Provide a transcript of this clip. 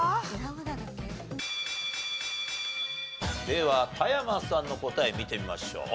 では田山さんの答え見てみましょう。